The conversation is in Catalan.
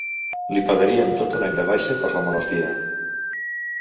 Li pagarien tot un any de baixa per la malaltia.